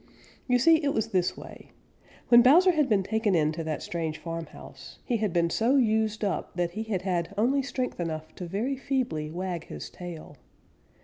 You see, it was this way: When Bowser had been taken in to that strange farmhouse, he had been so used up that he had had only strength enough to very feebly wag his tail.